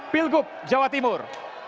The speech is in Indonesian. pilgub jawa timur